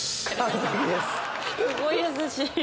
すごい優しい！